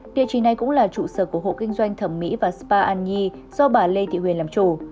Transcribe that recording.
địa chỉ này cũng là trụ sở của hộ kinh doanh thẩm mỹ và spa an nhi do bà lê thị huyền làm chủ